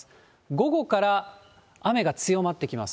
午後から雨が強まってきます。